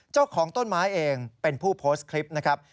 เจ้าของต้นไม้เองเป็นผู้โพสต์คลิปนะครับ